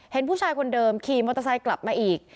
เห็นผู้ชายคนเดิมขี่มอเตอร์ไซค์กลับมาอีก